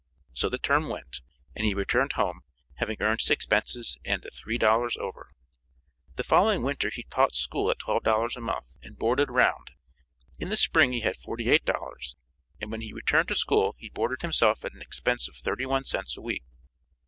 So the term went, and he returned home, having earned his expenses and AND THREE DOLLARS OVER. The following winter he taught school at $12 a month and 'boarded around.' In the spring he had $48, and when he returned to school he boarded himself at an expense of thirty one cents a week.